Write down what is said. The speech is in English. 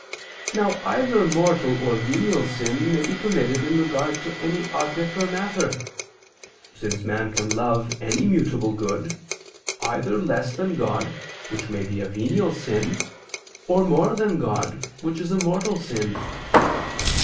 Now either mortal or venial sin may be committed in regard to any object or matter: since man can love any mutable good, either less than God, which may be a venial sin, or more than God, which is a mortal sin.